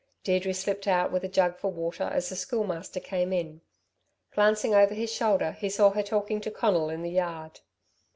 Deirdre slipped out with a jug for water as the Schoolmaster came in. Glancing over his shoulder, he saw her talking to Conal in the yard.